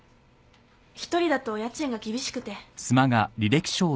一人だと家賃が厳しくて。